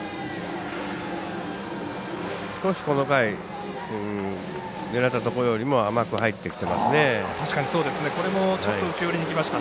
少し、この回狙ったところよりも甘く入ってきてますね。